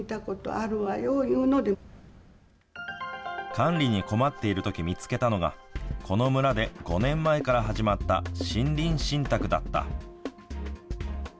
管理に困っているとき見つけたのがこの村で５年前から始まった森林信託だった。